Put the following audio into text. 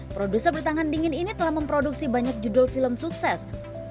produser bertangan dingin ini telah memproduksi banyak judul film sukses